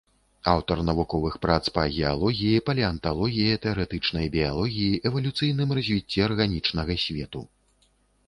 Аўтар навуковых прац па геалогіі, палеанталогіі, тэарэтычнай біялогіі, эвалюцыйным развіцці арганічнага свету.